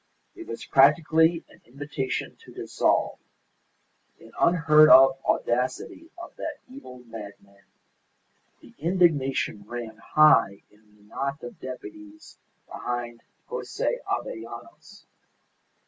It was practically an invitation to dissolve: an unheard of audacity of that evil madman. The indignation ran high in the knot of deputies behind Jose Avellanos.